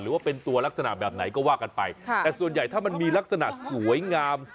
ว่าเป็นตัวลักษณะแบบไหนก็ว่ากันไปแต่ส่วนใหญ่ถ้ามันมีลักษณะสวยงาม